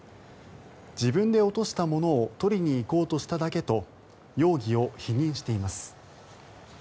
自分で落としたものを取りに行こうとしただけと容疑を否認しています。